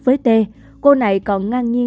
với t cô này còn ngang nhiên